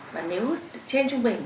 và nếu trên trung bình